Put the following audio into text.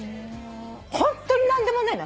ホントに何でもない。